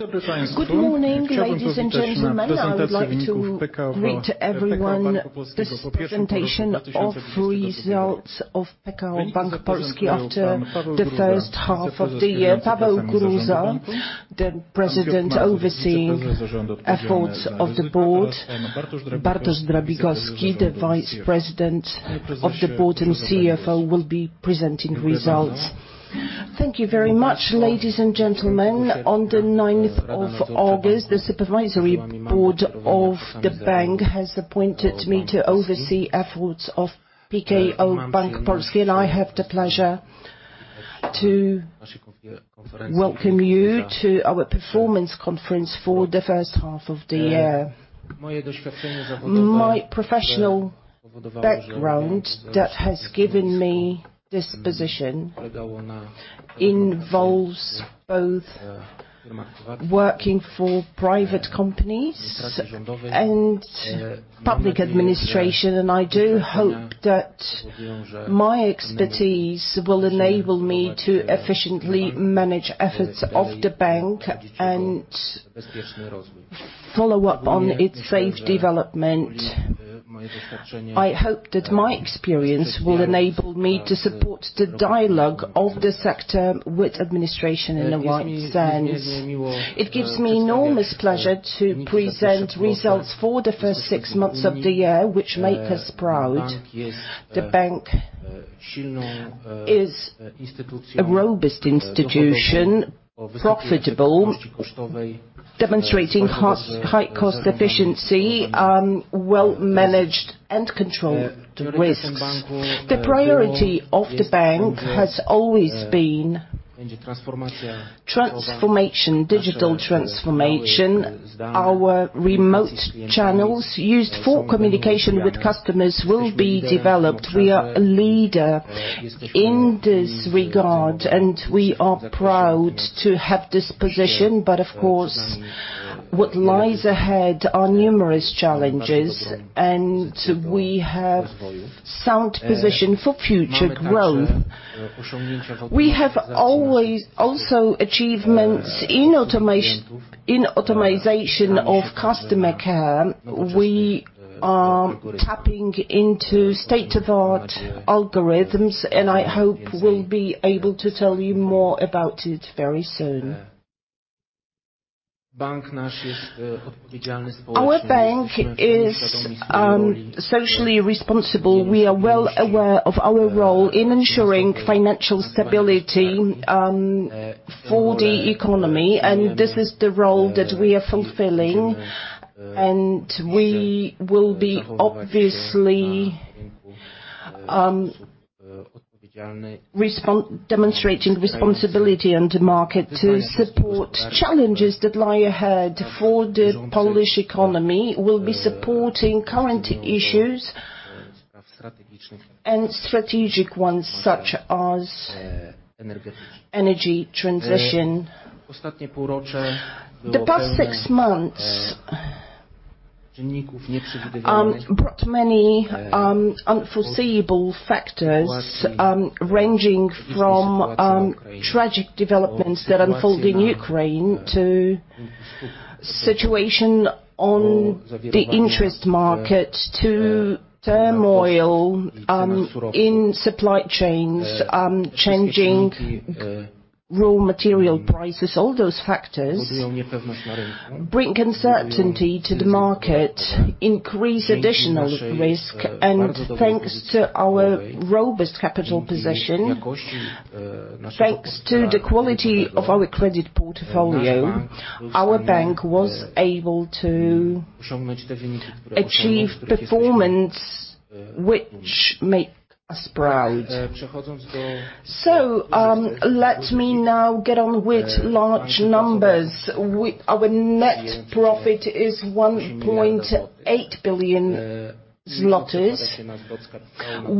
Good morning, ladies and gentlemen. I would like to greet everyone. This presentation of results of PKO Bank Polski after the first half of the year. Paweł Gruza, the President overseeing efforts of the board. Bartosz Drabikowski, the Vice President of the board and CFO, will be presenting results. Thank you very much, ladies and gentlemen. On August 9th, the supervisory board of the bank has appointed me to oversee efforts of PKO Bank Polski, and I have the pleasure to welcome you to our performance conference for the first half of the year. My professional background that has given me this position involves both working for private companies and public administration, and I do hope that my expertise will enable me to efficiently manage efforts of the bank and follow up on its safe development. I hope that my experience will enable me to support the dialogue of the sector with administration in a wide sense. It gives me enormous pleasure to present results for the first six months of the year, which make us proud. The bank is a robust institution, profitable, demonstrating high cost efficiency, well managed and controlled risks. The priority of the bank has always been transformation, digital transformation. Our remote channels used for communication with customers will be developed. We are a leader in this regard, and we are proud to have this position. Of course, what lies ahead are numerous challenges, and we have sound position for future growth. We have always also achievements in automatization of customer care. We are tapping into state-of-the-art algorithms, and I hope we'll be able to tell you more about it very soon. Our bank is socially responsible. We are well aware of our role in ensuring financial stability for the economy, and this is the role that we are fulfilling, and we will be obviously demonstrating responsibility in the market to support challenges that lie ahead for the Polish economy. We'll be supporting current issues and strategic ones such as energy transition. The past six months brought many unforeseeable factors ranging from tragic developments that unfold in Ukraine to situation on the interest market, to turmoil in supply chains, changing raw material prices. All those factors bring uncertainty to the market, increase additional risk. Thanks to our robust capital position, thanks to the quality of our credit portfolio, our bank was able to achieve performance which make us proud. Let me now get on with large numbers. Our net profit is 1.8 billion zlotys,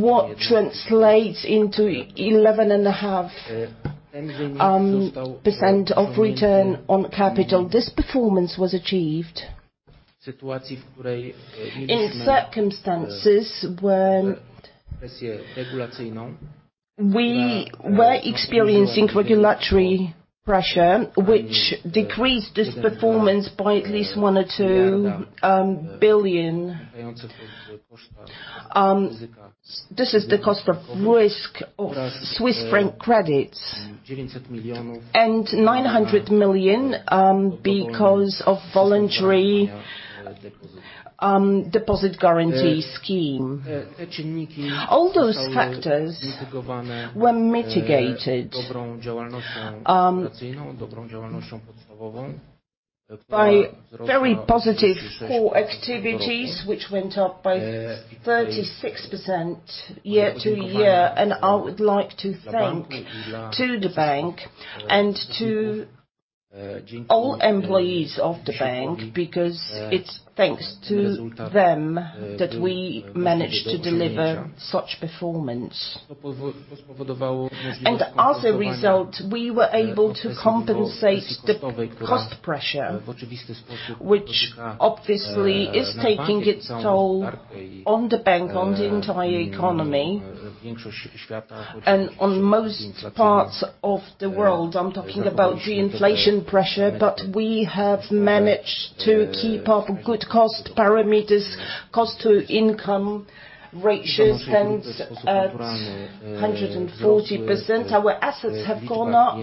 which translates into 11.5% return on capital. This performance was achieved in circumstances where we were experiencing regulatory pressure, which decreased this performance by at least 1 billion or 2 billion. This is the cost of risk of Swiss franc credits and 900 million, because of voluntary deposit guarantee scheme. All those factors were mitigated by very positive core activities which went up by 36% year-to-year. I would like to thank to the bank and to all employees of the bank, because it's thanks to them that we managed to deliver such performance. As a result, we were able to compensate the cost pressure, which obviously is taking its toll on the bank, on the entire economy and on most parts of the world. I'm talking about the inflation pressure, but we have managed to keep up good cost parameters. Cost-to-income ratio stands at 140%. Our assets have gone up.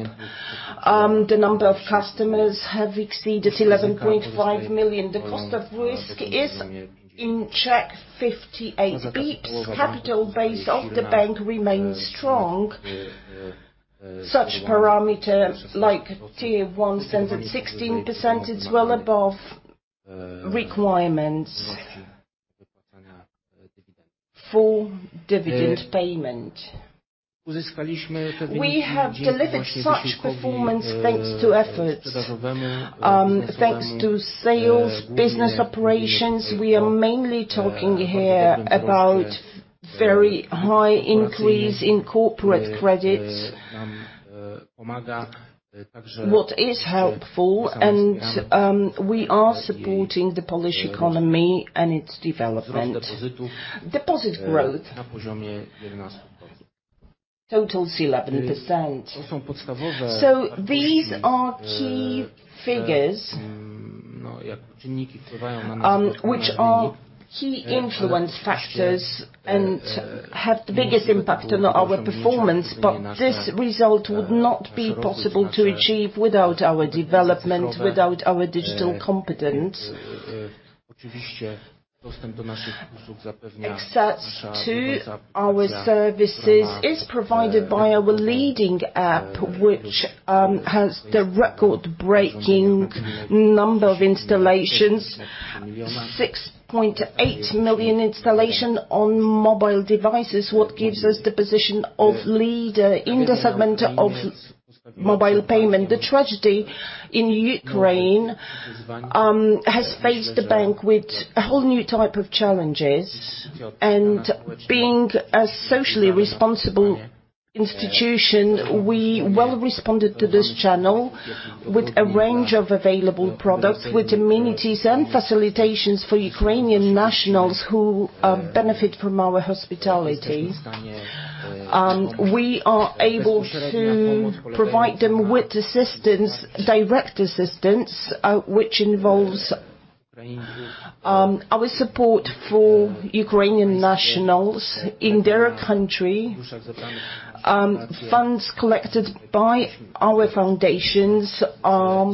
The number of customers have exceeded 11.5 million. The cost of risk is in check, 58 basis points. Capital base of the bank remains strong. Such parameters like Tier 1 stands at 16%. It's well above requirements for dividend payment. We have delivered such performance thanks to efforts, thanks to sales business operations. We are mainly talking here about very high increase in corporate credits, what is helpful, and, we are supporting the Polish economy and its development. Deposit growth totals 11%. These are key figures, which are key influence factors and have the biggest impact on our performance. This result would not be possible to achieve without our development, without our digital competence. Access to our services is provided by our leading app, which has the record-breaking number of installations, 6.8 million installation on mobile devices, what gives us the position of leader in the segment of mobile payment. The tragedy in Ukraine has faced the bank with a whole new type of challenges and being a socially responsible institution, we have responded to this challenge with a range of available products, with amenities and facilitations for Ukrainian nationals who benefit from our hospitality. We are able to provide them with assistance, direct assistance, which involves our support for Ukrainian nationals in their country. Funds collected by our foundations are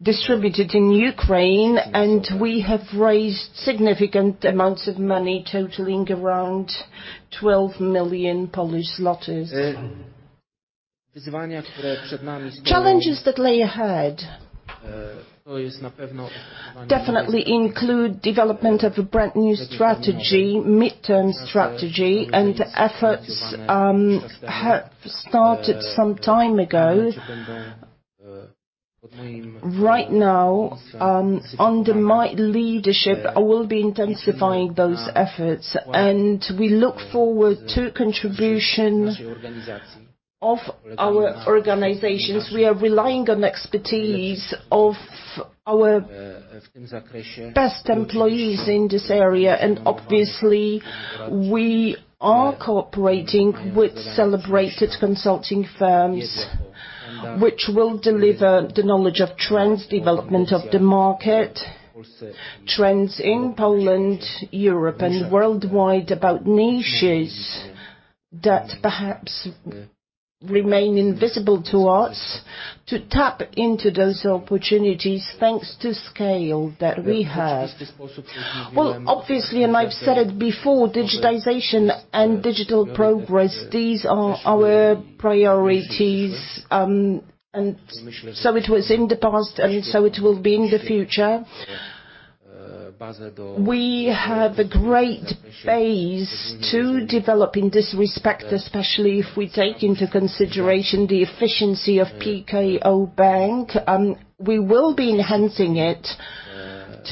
distributed in Ukraine, and we have raised significant amounts of money totaling around 12 million. Challenges that lie ahead definitely include development of a brand-new strategy, midterm strategy, and efforts have started some time ago. Right now, under my leadership, I will be intensifying those efforts, and we look forward to contribution of our organizations. We are relying on expertise of our best employees in this area. Obviously we are cooperating with celebrated consulting firms, which will deliver the knowledge of trends, development of the market, trends in Poland, Europe, and worldwide about niches that perhaps remain invisible to us, to tap into those opportunities thanks to scale that we have. Well, obviously, and I've said it before, digitization and digital progress, these are our priorities. It was in the past, and so it will be in the future. We have a great base to develop in this respect, especially if we take into consideration the efficiency of PKO Bank. We will be enhancing it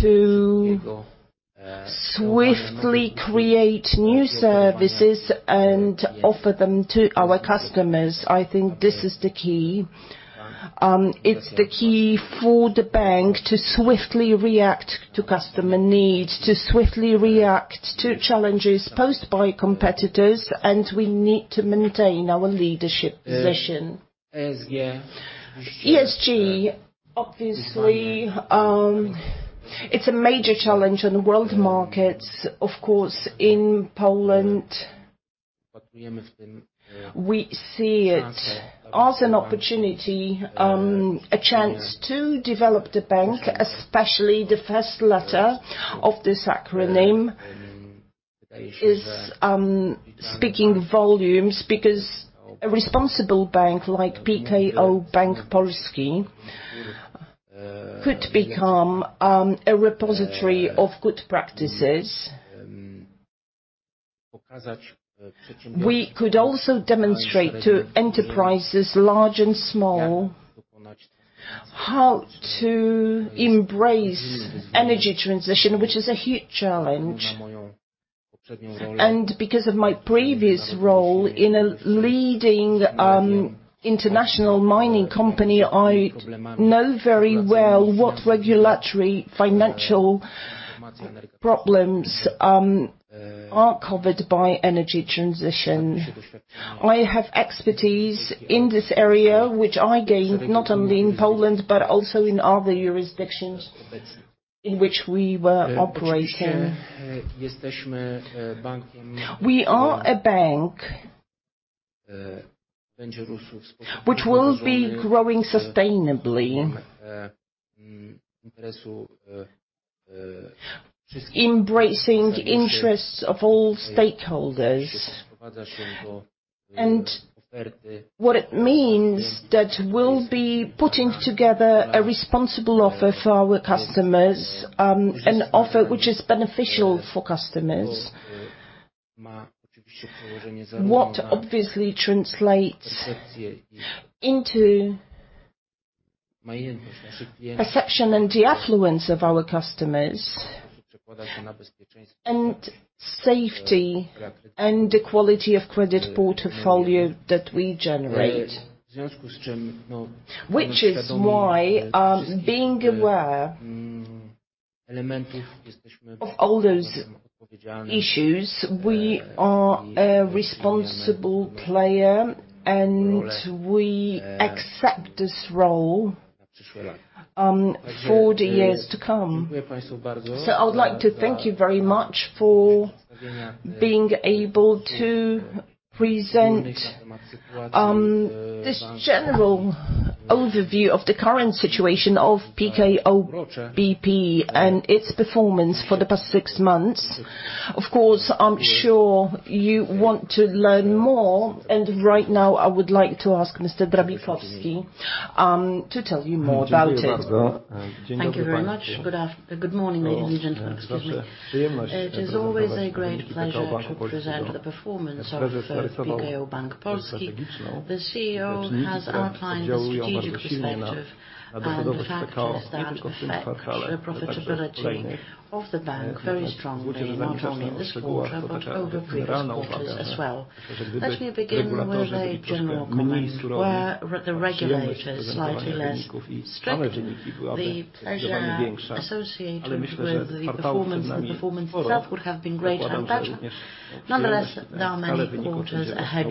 to swiftly create new services and offer them to our customers. I think this is the key. It's the key for the bank to swiftly react to customer needs, to swiftly react to challenges posed by competitors, and we need to maintain our leadership position. ESG, obviously, it's a major challenge on world markets. Of course, in Poland, we see it as an opportunity, a chance to develop the bank, especially the first letter of this acronym is, speaking volumes. Because a responsible bank like PKO Bank Polski could become, a repository of good practices. We could also demonstrate to enterprises, large and small, how to embrace energy transition, which is a huge challenge. Because of my previous role in a leading, international mining company, I know very well what regulatory financial problems, are covered by energy transition. I have expertise in this area, which I gained not only in Poland, but also in other jurisdictions in which we were operating. We are a bank which will be growing sustainably, embracing the interests of all stakeholders. What it means that we'll be putting together a responsible offer for our customers, an offer which is beneficial for customers, what obviously translates into affection and the affluence of our customers and safety and the quality of credit portfolio that we generate. Which is why, being aware of all those issues, we are a responsible player, and we accept this role, for the years to come. I would like to thank you very much for being able to present this general overview of the current situation of PKO BP and its performance for the past six months. Of course, I'm sure you want to learn more, and right now, I would like to ask Mr. Drabikowski to tell you more about it. Thank you very much. Good morning, ladies and gentlemen. Excuse me. It is always a great pleasure to present the performance of PKO Bank Polski. The CEO has outlined the strategic perspective and factors that affect the profitability of the bank very strongly, not only this quarter, but over previous quarters as well. Let me begin with a general comment. Were the regulators slightly less strict, the pressure associated with the performance and performance itself would have been greater and better. Nonetheless, there are many quarters ahead,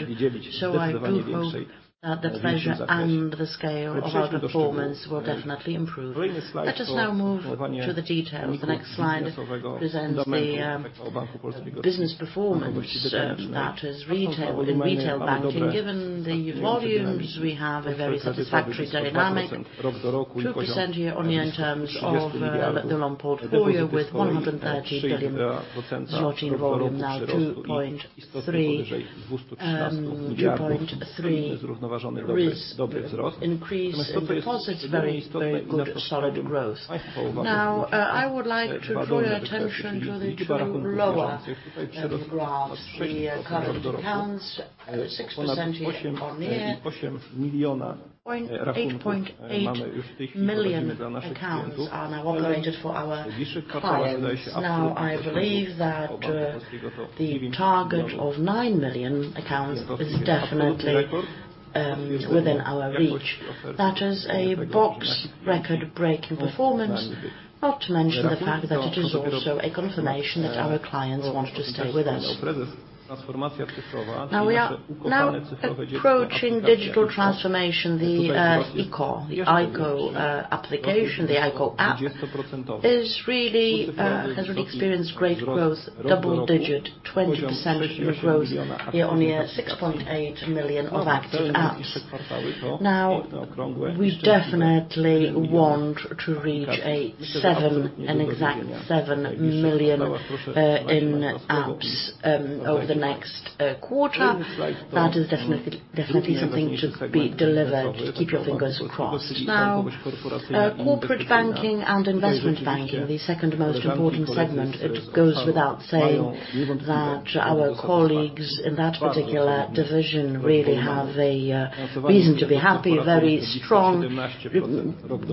so I do hope that the pressure and the scale of our performance will definitely improve. Let us now move to the details. The next slide presents the business performance that is detailed in retail banking. Given the volumes, we have a very satisfactory dynamic, 2% year-on-year in terms of the loan portfolio with 130 billion zloty, 14% year-on-year now, 2.3% increase in deposits, very, very good solid growth. I would like to draw your attention to the two lower graphs. The current accounts, 6% year-on-year. 8.8 million accounts are now opened for our clients. I believe that the target of nine million accounts is definitely within our reach. That is a record-breaking performance, not to mention the fact that it is also a confirmation that our clients want to stay with us. We are now approaching digital transformation. The IKO application, the IKO app, is really has really experienced great growth, double-digit, 20% year-on-year growth, year-on-year 6.8 million active apps. Now, we definitely want to reach seven, an exact seven million in apps over the next quarter. That is definitely something to be delivered. Keep your fingers crossed. Now, corporate banking and investment banking, the second most important segment, it goes without saying that our colleagues in that particular division really have a reason to be happy. Very strong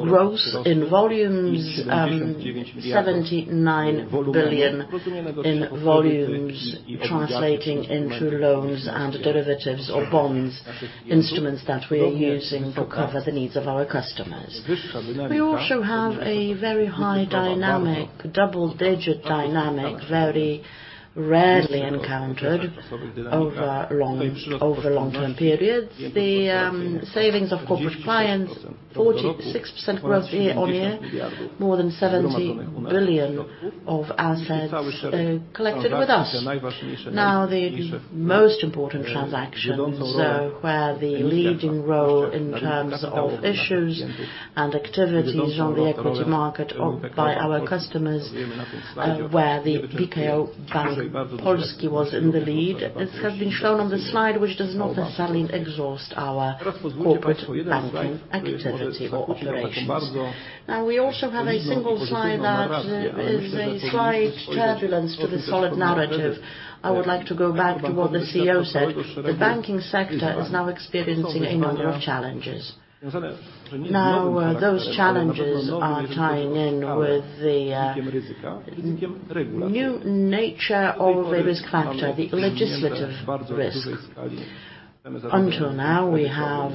growth in volumes, 79 billion in volumes, translating into loans and derivatives or bonds, instruments that we are using to cover the needs of our customers. We also have a very high dynamic, double-digit dynamic, very rarely encountered over long-term periods. The savings of corporate clients, 46% growth year-on-year, more than 70 billion of assets collected with us. Now, the most important transactions were the leading role in terms of issues and activities on the equity market by our customers, where the PKO Bank Polski was in the lead. It has been shown on the slide, which does not necessarily exhaust our corporate banking activity or operations. Now, we also have a single slide that is a slight turbulence to the solid narrative. I would like to go back to what the CEO said. The banking sector is now experiencing a number of challenges. Now, those challenges are tying in with the new nature of a risk factor, the legislative risk. Until now, we have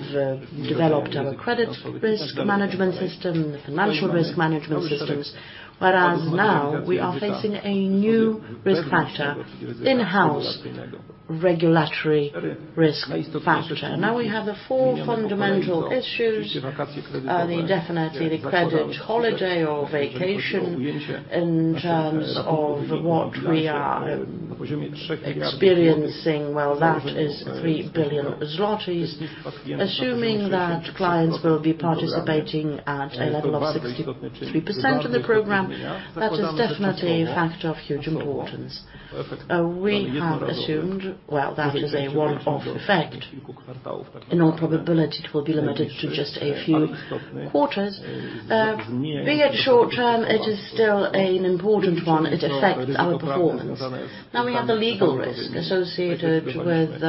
developed our credit risk management system, financial risk management systems. Whereas now we are facing a new risk factor, in-house regulatory risk factor. Now we have the four fundamental issues. Definitely the credit holiday or vacation in terms of what we are experiencing, that is 3 billion zlotys. Assuming that clients will be participating at a level of 63% in the program, that is definitely a factor of huge importance. We have assumed, well, that is a one-off effect. In all probability, it will be limited to just a few quarters. Be it short-term, it is still an important one. It affects our performance. Now, we have the legal risk associated with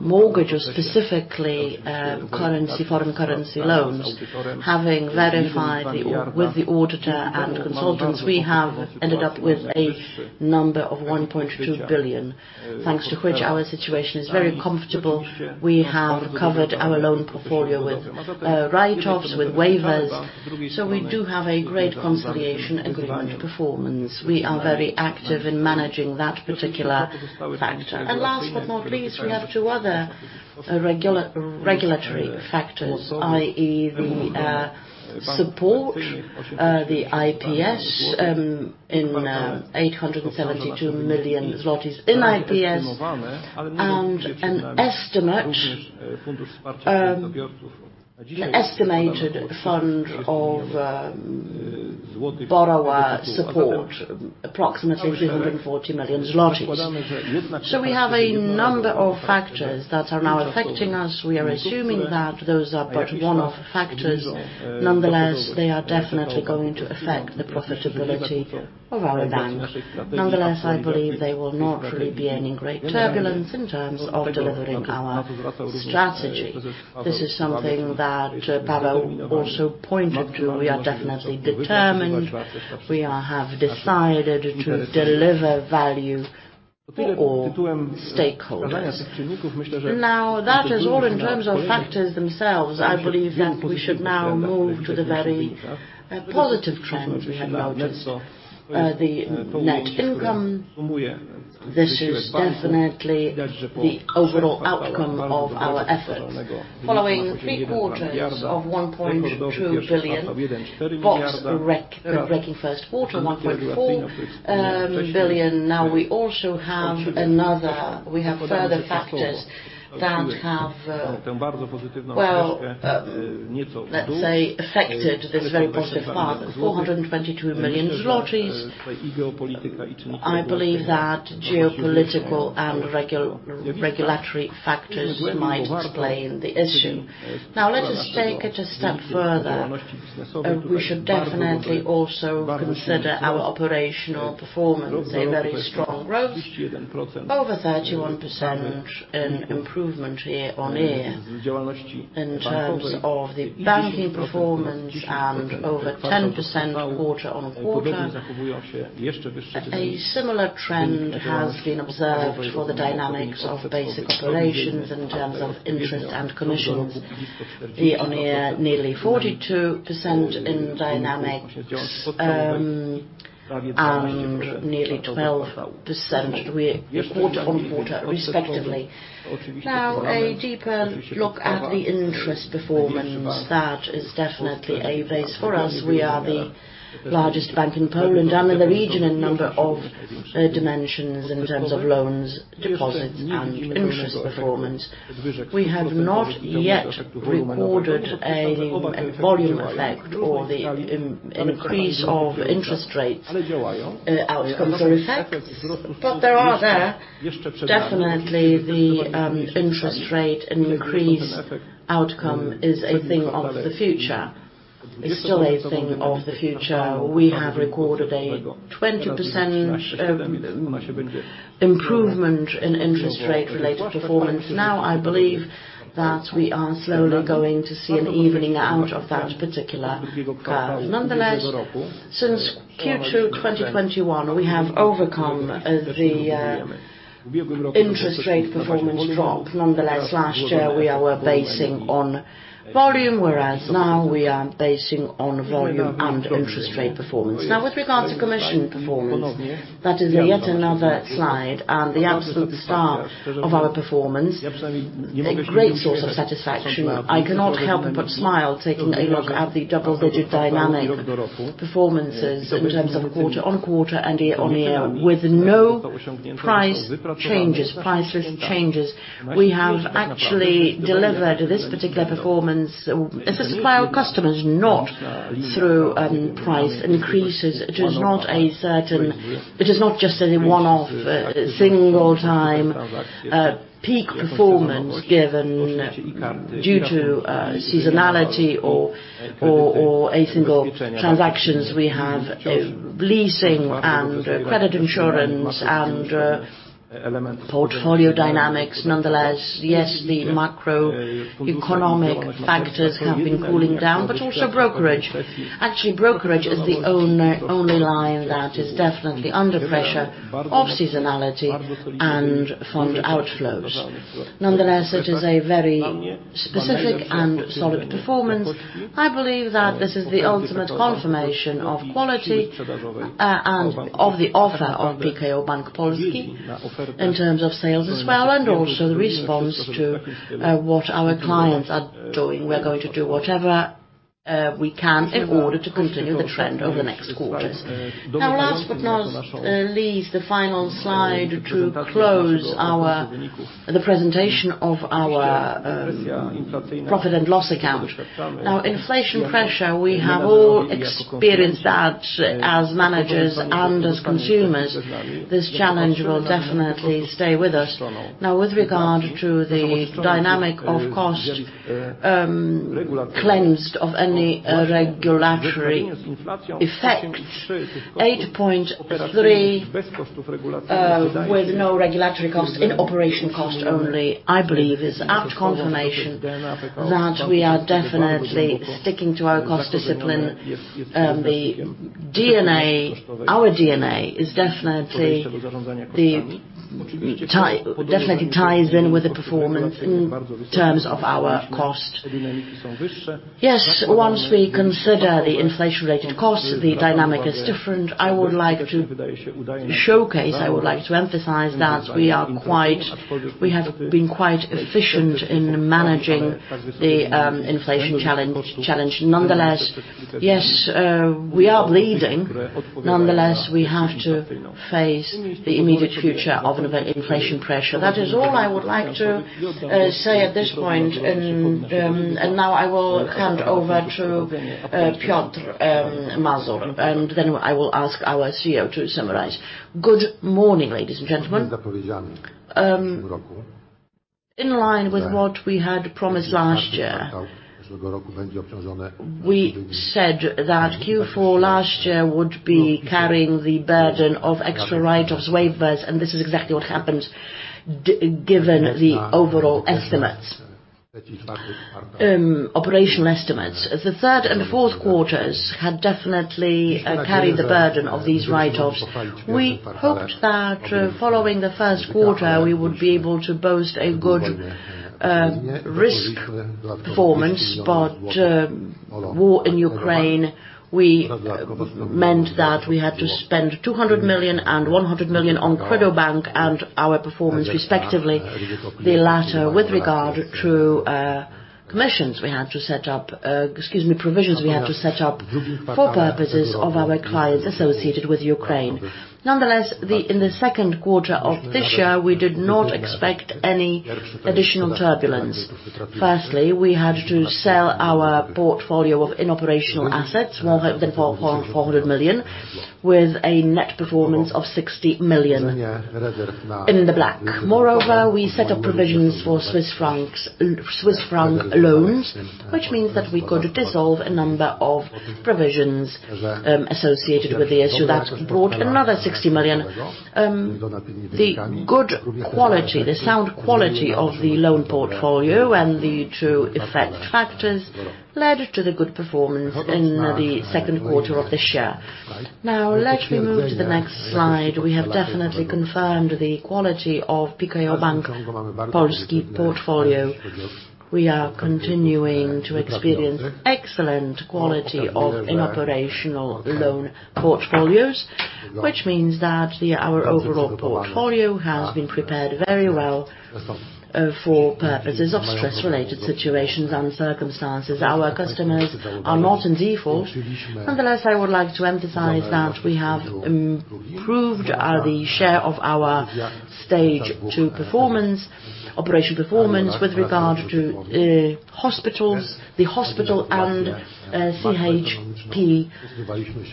mortgages, specifically currency, foreign currency loans. Having verified with the auditor and consultants, we have ended up with a number of 1.2 billion, thanks to which our situation is very comfortable. We have covered our loan portfolio with write-offs, with waivers, so we do have a great consolidation and good performance. We are very active in managing that particular factor. Last but not least, we have two other regulatory factors, i.e., the support, the IPS in 872 million zlotys in IPS and an estimated fund of borrower support, approximately 340 million zlotys. We have a number of factors that are now affecting us. We are assuming that those are but one-off factors. Nonetheless, they are definitely going to affect the profitability of our bank. Nonetheless, I believe there will not really be any great turbulence in terms of delivering our strategy. This is something that Paweł also pointed to. We are definitely determined. We have decided to deliver value for all stakeholders. Now, that is all in terms of factors themselves. I believe that we should now move to the very positive trends we have noticed. The net income, this is definitely the overall outcome of our efforts. Following three quarters of 1.2 billion, record-breaking first quarter, 1.4 billion. We have further factors that have, well, let's say, affected this very positive part, 422 million zlotys. I believe that geopolitical and regulatory factors might explain the issue. Now let us take it a step further. We should definitely also consider our operational performance, a very strong growth, over 31% improvement year-on-year. In terms of the banking performance and over 10% quarter-on-quarter, a similar trend has been observed for the dynamics of basic operations in terms of interest and commissions year-on-year, nearly 42% in dynamics, and nearly 12% quarter-on-quarter, respectively. Now, a deeper look at the interest performance, that is definitely a base for us. We are the largest bank in Poland and in the region in a number of dimensions in terms of loans, deposits, and interest performance. We have not yet recorded a volume effect or the increase of interest rates outcome. In fact, they are there. Definitely, the interest rate increase outcome is a thing of the future. It's still a thing of the future. We have recorded a 20% improvement in interest rate-related performance. Now, I believe that we are slowly going to see an evening out of that particular curve. Nonetheless, since Q2 2021, we have overcome the interest rate performance drop. Nonetheless, last year, we are basing on volume, whereas now we are basing on volume and interest rate performance. Now, with regard to commission performance, that is yet another slide and the absolute star of our performance, a great source of satisfaction. I cannot help but smile taking a look at the double-digit dynamic performances in terms of quarter-on-quarter and year-on-year with no price changes, price risk changes. We have actually delivered this particular performance to supply our customers, not through price increases. It is not just any one-off single time peak performance given due to seasonality or a single transactions. We have leasing and credit insurance and portfolio dynamics. Nonetheless, yes, the macroeconomic factors have been cooling down, but also brokerage. Actually, brokerage is the only line that is definitely under pressure of seasonality and fund outflows. Nonetheless, it is a very specific and solid performance. I believe that this is the ultimate confirmation of quality and of the offer of PKO Bank Polski in terms of sales as well, and also the response to what our clients are doing. We're going to do whatever we can in order to continue the trend over the next quarters. Now, last but not least, the final slide to close the presentation of our profit and loss account. Now, inflation pressure, we have all experienced that as managers and as consumers. This challenge will definitely stay with us. Now, with regard to the dynamic of cost, cleansed of any regulatory effects, 8.3%, with no regulatory cost in operational cost only, I believe is apt confirmation that we are definitely sticking to our cost discipline. The D&A, our D&A is definitely ties in with the performance in terms of our cost. Yes, once we consider the inflation-related costs, the dynamic is different. I would like to showcase, I would like to emphasize that we have been quite efficient in managing the inflation challenge. Nonetheless, yes, we are bleeding. Nonetheless, we have to face the immediate future of an inflation pressure. That is all I would like to say at this point. Now I will hand over to Piotr Mazur, and then I will ask our CEO to summarize. Good morning, ladies and gentlemen. In line with what we had promised last year, we said that Q4 last year would be carrying the burden of extra write-offs waivers, and this is exactly what happened, given the overall estimates, operational estimates. The third and fourth quarters had definitely carried the burden of these write-offs. We hoped that following the first quarter, we would be able to boast a good risk performance, but war in Ukraine meant that we had to spend 200 million and 100 million on KredoBank and our performance respectively, the latter with regard to commissions we had to set up, excuse me, provisions we had to set up for purposes of our clients associated with Ukraine. Nonetheless, in the second quarter of this year, we did not expect any additional turbulence. Firstly, we had to sell our portfolio of inoperational assets for more than 400 million, with a net performance of 60 million in the black. Moreover, we set up provisions for Swiss francs, Swiss franc loans, which means that we could dissolve a number of provisions associated with the issue that brought another 60 million. The good quality, the sound quality of the loan portfolio and the two effect factors led to the good performance in the second quarter of this year. Now let me move to the next slide. We have definitely confirmed the quality of PKO Bank Polski portfolio. We are continuing to experience excellent quality of inoperational loan portfolios, which means that our overall portfolio has been prepared very well for purposes of stress-related situations and circumstances. Our customers are not in default. Nonetheless, I would like to emphasize that we have improved the share of our Stage 2 performance, operational performance with regard to hospital and CHP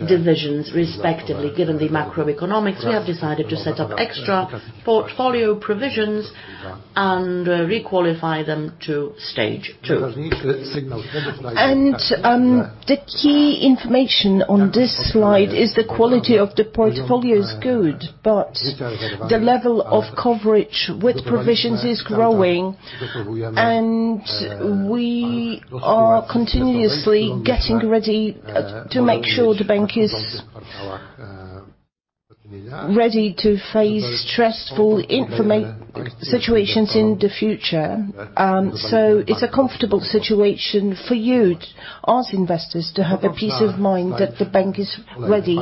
divisions, respectively. Given the macroeconomics, we have decided to set up extra portfolio provisions and re-qualify them to Stage 2. The key information on this slide is the quality of the portfolio is good, but the level of coverage with provisions is growing, and we are continuously getting ready to make sure the bank is ready to face stressful situations in the future. It's a comfortable situation for you as investors to have a peace of mind that the bank is ready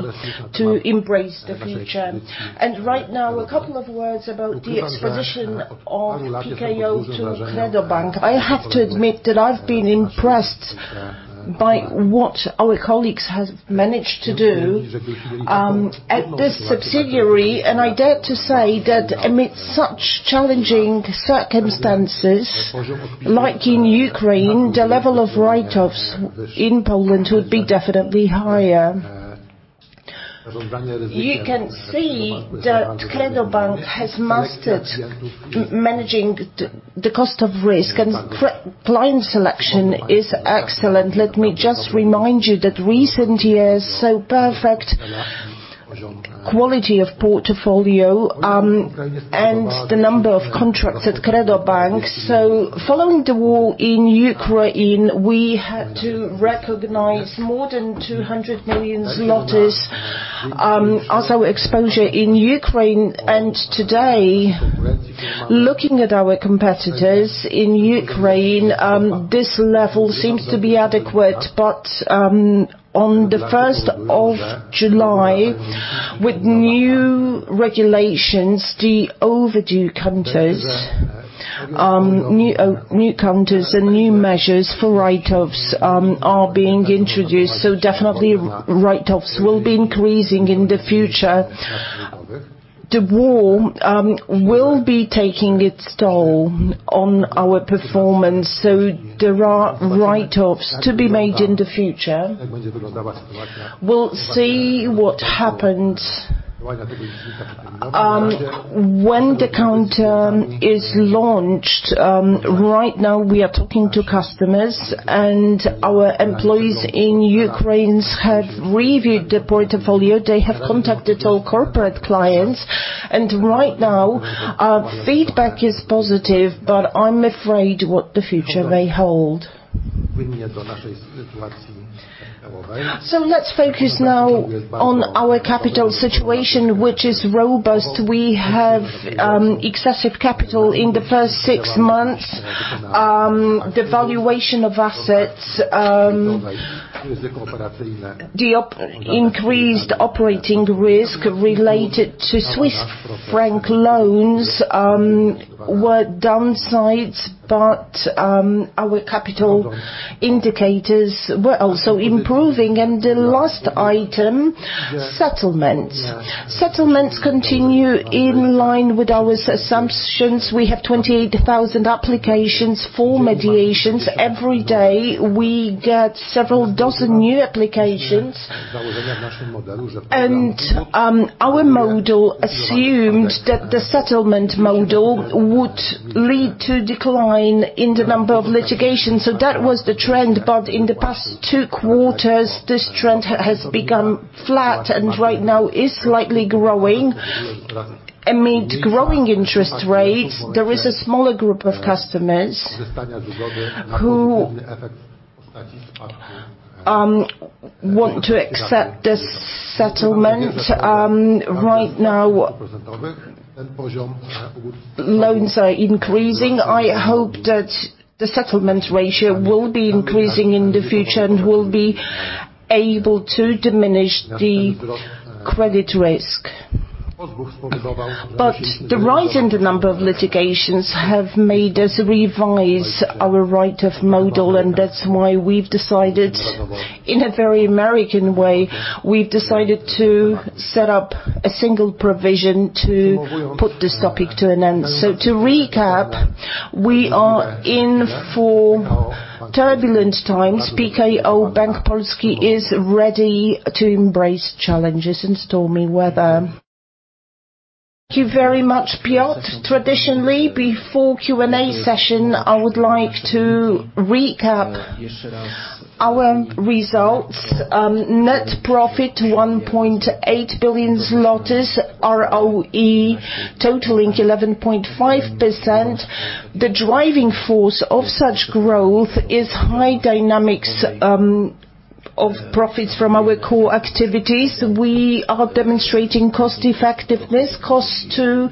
to embrace the future. Right now, a couple of words about the exposure of PKO to KredoBank. I have to admit that I've been impressed by what our colleagues have managed to do at this subsidiary, and I dare to say that amidst such challenging circumstances, like in Ukraine, the level of write-offs in Poland would be definitely higher. You can see that KredoBank has mastered managing the cost of risk and client selection is excellent. Let me just remind you that recent years saw perfect quality of portfolio and the number of contracts at KredoBank. Following the war in Ukraine, we had to recognize more than 200 million as our exposure in Ukraine. Today, looking at our competitors in Ukraine, this level seems to be adequate, but on July 1st, with new regulations, the overdue counters, new counters and new measures for write-offs are being introduced, so definitely write-offs will be increasing in the future. The war will be taking its toll on our performance, so there are write-offs to be made in the future. We'll see what happens when the counter is launched. Right now we are talking to customers, and our employees in Ukraine have reviewed the portfolio. They have contacted all corporate clients, and right now our feedback is positive, but I'm afraid what the future may hold. Let's focus now on our capital situation, which is robust. We have excessive capital. In the first six months, the valuation of assets, the increased operating risk related to Swiss franc loans, were downsides, but our capital indicators were also improving. The last item, settlements. Settlements continue in line with our assumptions. We have 28,000 applications for mediations. Every day, we get several dozen new applications. Our model assumed that the settlement model would lead to decline in the number of litigations. That was the trend, but in the past two quarters, this trend has become flat and right now is slightly growing. Amid growing interest rates, there is a smaller group of customers who want to accept this settlement. Right now loans are increasing. I hope that the settlement ratio will be increasing in the future and will be able to diminish the credit risk. The rise in the number of litigations has made us revise our write-off model, and that's why we've decided, in a very American way, to set up a single provision to put this topic to an end. To recap, we are in for turbulent times. PKO Bank Polski is ready to embrace challenges and stormy weather. Thank you very much, Piotr. Traditionally, before Q&A session, I would like to recap our results. Net profit, 1.8 billion. ROE totaling 11.5%. The driving force of such growth is high dynamics of profits from our core activities. We are demonstrating cost effectiveness. Cost to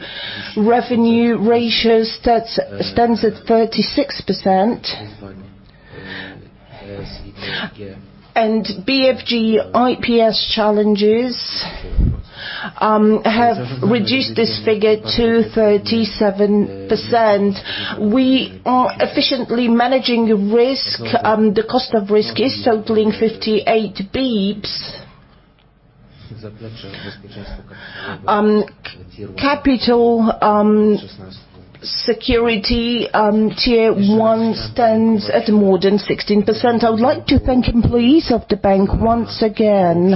revenue ratio stands at 36%. BFG IPS challenges have reduced this figure to 37%. We are efficiently managing risk. The cost of risk is totaling 58 basis points. Capital adequacy, Tier 1 stands at more than 16%. I would like to thank employees of the bank once again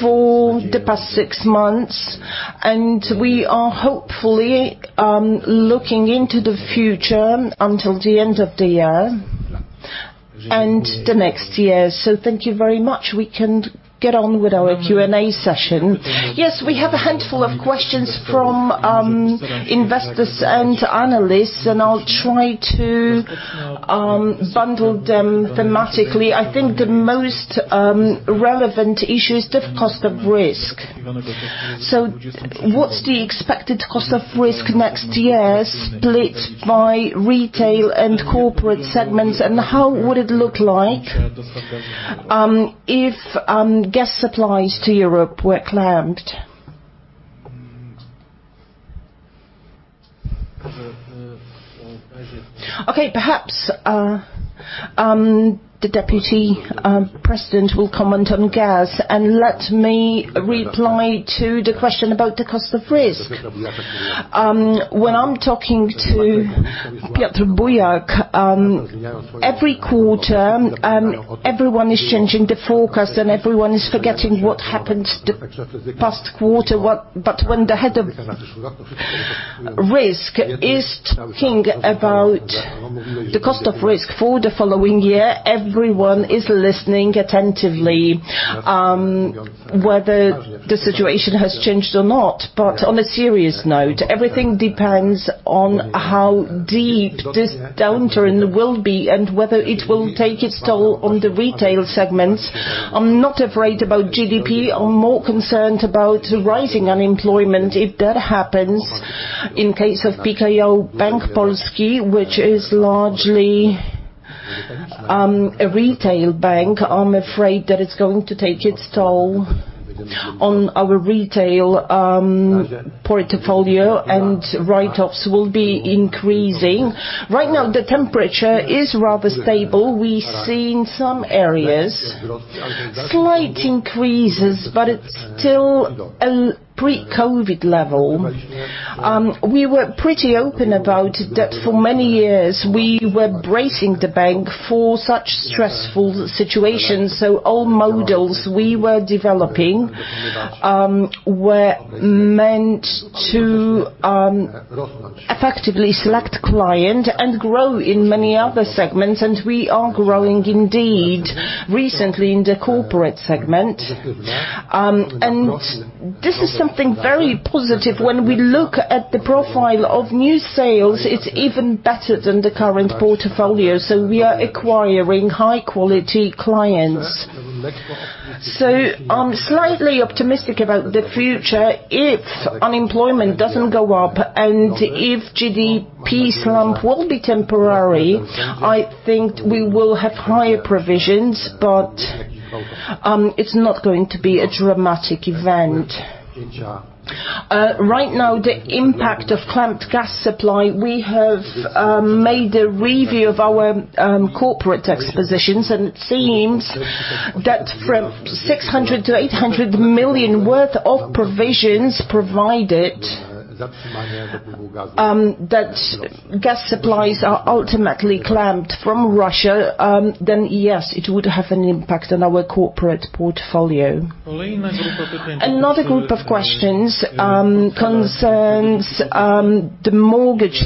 for the past six months, and we are hopefully looking into the future until the end of the year and the next year. Thank you very much. We can get on with our Q&A session. Yes, we have a handful of questions from investors and analysts, and I'll try to bundle them thematically. I think the most relevant issue is the cost of risk. What's the expected cost of risk next year split by retail and corporate segments? And how would it look like if gas supplies to Europe were clamped? Okay, perhaps the deputy president will comment on gas, and let me reply to the question about the cost of risk. When I'm talking to Piotr Bujak every quarter, everyone is changing the forecast, and everyone is forgetting what happened the past quarter. When the head of risk is talking about the cost of risk for the following year, everyone is listening attentively whether the situation has changed or not. On a serious note, everything depends on how deep this downturn will be and whether it will take its toll on the retail segments. I'm not afraid about GDP. I'm more concerned about rising unemployment. If that happens in case of PKO Bank Polski, which is largely a retail bank, I'm afraid that it's going to take its toll on our retail portfolio, and write-offs will be increasing. Right now, the temperature is rather stable. We've seen some areas, slight increases, but it's still a pre-COVID level. We were pretty open about that for many years. We were bracing the bank for such stressful situations. All models we were developing were meant to effectively select client and grow in many other segments. We are growing indeed recently in the corporate segment. This is something very positive. When we look at the profile of new sales, it's even better than the current portfolio. We are acquiring high-quality clients. I'm slightly optimistic about the future if unemployment doesn't go up and if GDP slump will be temporary. I think we will have higher provisions, but it's not going to be a dramatic event. Right now, the impact of clamped gas supply, we have made a review of our corporate exposures, and it seems that from 600 million to 800 million worth of provisions provided, that gas supplies are ultimately clamped from Russia, then yes, it would have an impact on our corporate portfolio. Another group of questions concerns the mortgage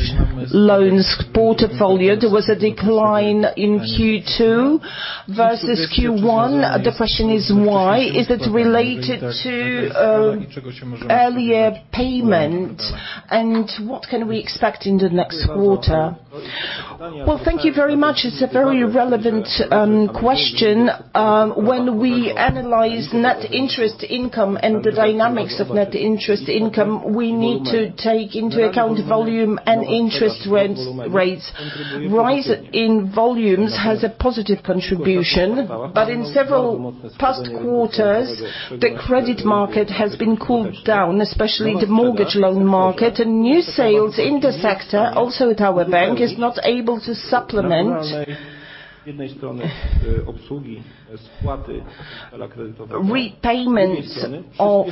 loans portfolio. There was a decline in Q2 versus Q1. The question is why. Is it related to early repayment? What can we expect in the next quarter? Well, thank you very much. It's a very relevant question. When we analyze net interest income and the dynamics of net interest income, we need to take into account volume and interest rates. Rise in volumes has a positive contribution, but in several past quarters, the credit market has been cooled down, especially the mortgage loan market and new sales in the sector, also at our bank, is not able to supplement repayments of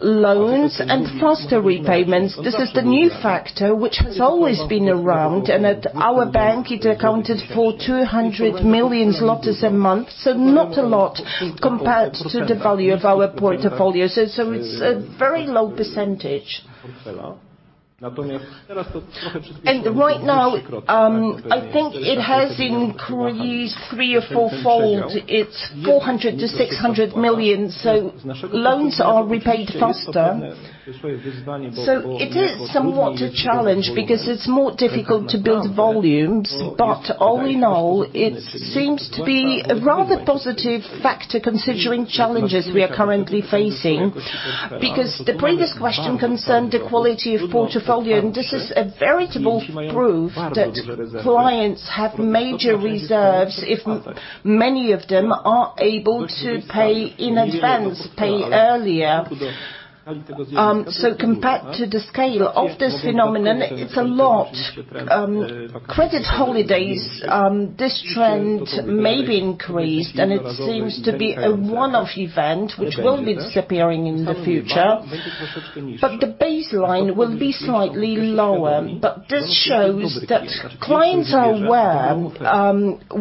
loans and foster repayments. This is the new factor which has always been around, and at our bank, it accounted for 200 million a month. Not a lot compared to the value of our portfolio. It's a very low percentage. Right now, I think it has increased three or four-fold. It's 400 million-600 million. Loans are repaid faster. It is somewhat a challenge because it's more difficult to build volumes. All in all, it seems to be a rather positive factor considering challenges we are currently facing. Because the previous question concerned the quality of portfolio, and this is a veritable proof that clients have major reserves if many of them are able to pay in advance, pay earlier. Compared to the scale of this phenomenon, it's a lot. Credit holidays, this trend may be increased, and it seems to be a one-off event which will be disappearing in the future. The baseline will be slightly lower. This shows that clients are aware,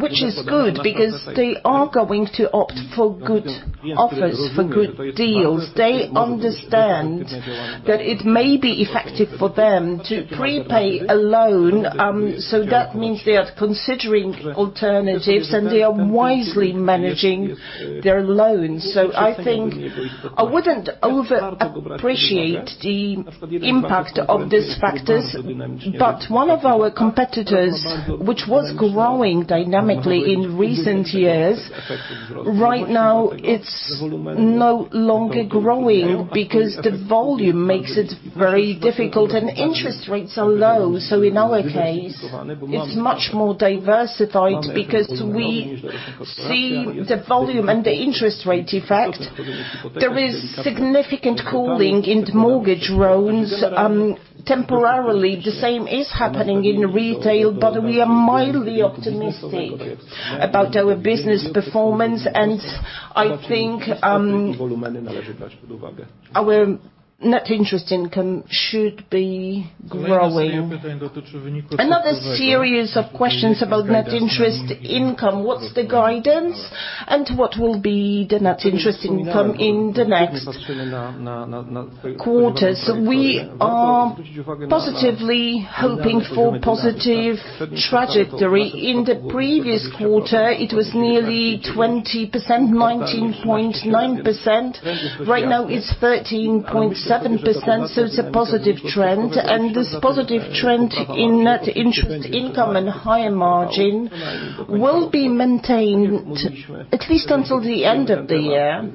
which is good because they are going to opt for good offers, for good deals. They understand that it may be effective for them to prepay a loan. That means they are considering alternatives, and they are wisely managing their loans. I think I wouldn't overappreciate the impact of these factors. One of our competitors, which was growing dynamically in recent years, right now it's no longer growing because the volume makes it very difficult and interest rates are low. In our case, it's much more diversified because we see the volume and the interest rate effect. There is significant cooling in the mortgage loans. Temporarily, the same is happening in retail, but we are mildly optimistic about our business performance, and I think, our net interest income should be growing. Another series of questions about net interest income. What's the guidance and what will be the net interest income in the next quarters? We are positively hoping for positive trajectory. In the previous quarter, it was nearly 20%, 19.9%. Right now, it's 13.7%, so it's a positive trend. This positive trend in net interest income and higher margin will be maintained at least until the end of the year.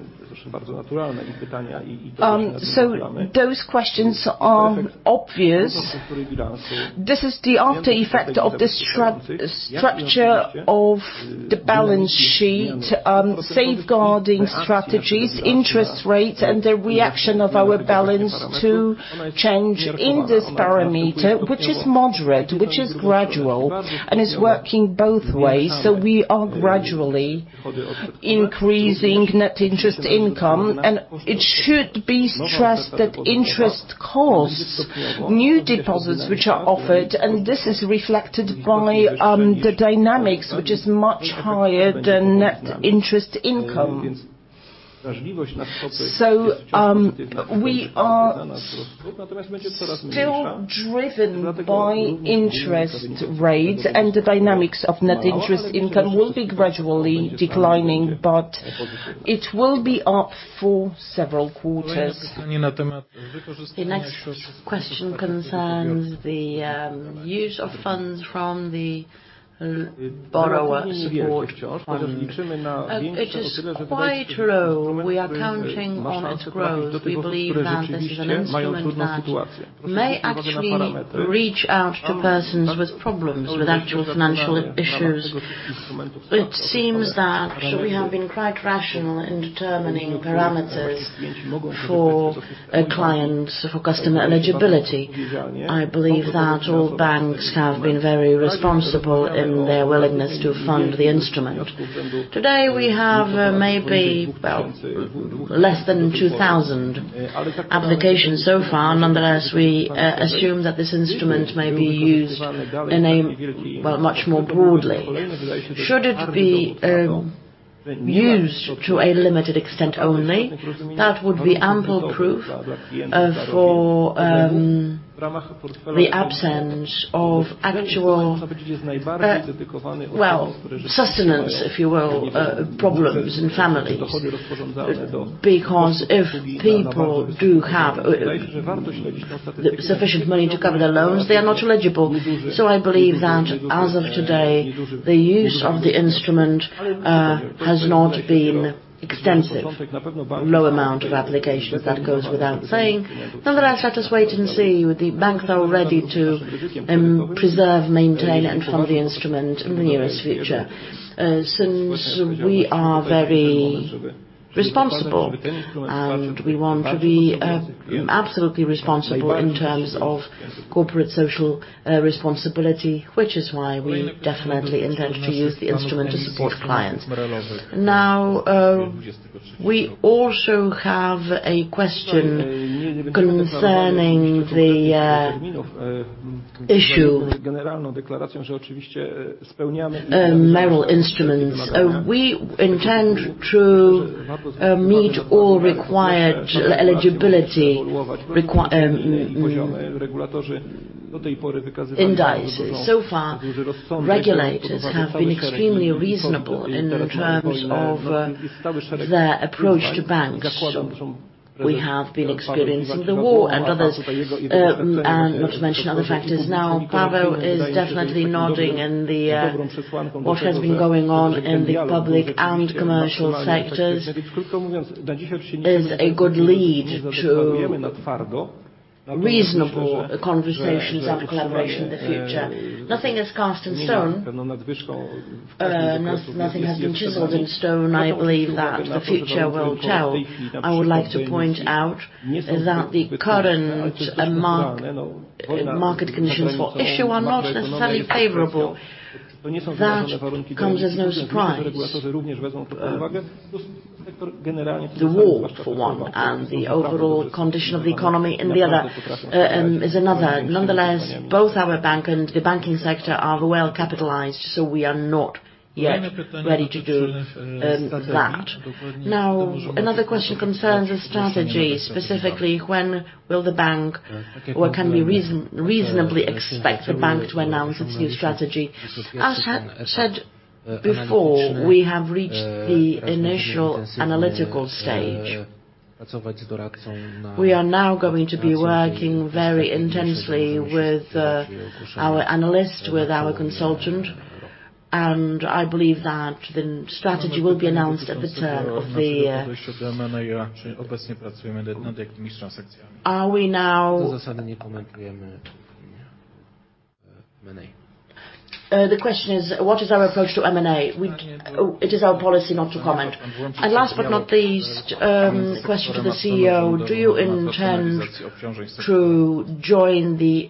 Those questions are obvious. This is the after effect of the structure of the balance sheet, safeguarding strategies, interest rates, and the reaction of our balance to change in this parameter, which is moderate, which is gradual and is working both ways. We are gradually increasing net interest income, and it should be stressed that interest costs new deposits which are offered, and this is reflected by the dynamics, which is much higher than net interest income. We are still driven by interest rates and the dynamics of net interest income will be gradually declining, but it will be up for several quarters. The next question concerns the use of funds from the borrower support fund. It is quite low. We are counting on its growth. We believe that this is an instrument that may actually reach out to persons with problems with actual financial issues. It seems that we have been quite rational in determining parameters for a client, for customer eligibility. I believe that all banks have been very responsible in their willingness to fund the instrument. Today, we have, maybe, well, less than 2,000 applications so far. Nonetheless, we assume that this instrument may be used in a, well, much more broadly. Used to a limited extent only. That would be ample proof for the absence of actual well subsistence, if you will, problems in families. Because if people do have sufficient money to cover their loans, they are not eligible. I believe that as of today, the use of the instrument has not been extensive. Low amount of applications, that goes without saying. Nevertheless, let us wait and see. The banks are ready to preserve, maintain, and fund the instrument in the nearest future. Since we are very responsible, and we want to be absolutely responsible in terms of corporate social responsibility, which is why we definitely intend to use the instrument to support clients. Now, we also have a question concerning the issue of MREL instruments. We intend to meet all required eligibility requirements. Indices. So far, regulators have been extremely reasonable in terms of their approach to banks. We have been experiencing the war and others, and not to mention other factors. Now, Paweł is definitely nodding. What has been going on in the public and commercial sectors is a good lead to reasonable conversations and collaboration in the future. Nothing is cast in stone. Nothing has been chiseled in stone. I believe that the future will tell. I would like to point out that the current market conditions for issuance are not necessarily favorable. That comes as no surprise. The war for one and the overall condition of the economy, and the other, is another. Nonetheless, both our bank and the banking sector are well-capitalized, so we are not yet ready to do that. Now, another question concerns the strategy, specifically when will the bank, or can we reasonably expect the bank to announce its new strategy? As I said before, we have reached the initial analytical stage. We are now going to be working very intensely with our analyst, with our consultant, and I believe that the strategy will be announced at the turn of the year. The question is, what is our approach to M&A? It is our policy not to comment. Last but not least, question for the CEO. Do you intend to join the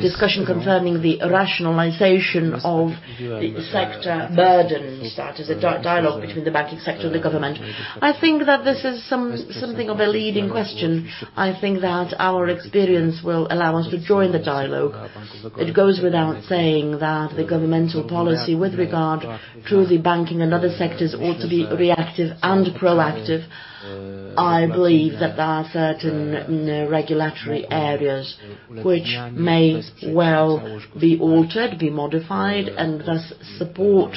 discussion concerning the rationalization of the sector burdens? That is a dialogue between the banking sector and the government. I think that this is something of a leading question. I think that our experience will allow us to join the dialogue. It goes without saying that the governmental policy with regard to the banking and other sectors ought to be reactive and proactive. I believe that there are certain regulatory areas which may well be altered, be modified, and thus support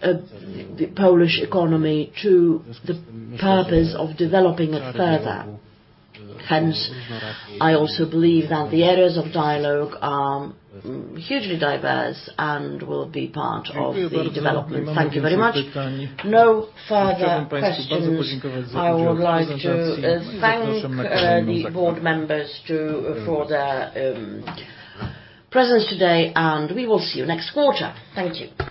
the Polish economy to the purpose of developing it further. Hence, I also believe that the areas of dialogue are hugely diverse and will be part of the development. Thank you very much. No further questions. I would like to thank the board members for their presence today, and we will see you next quarter. Thank you.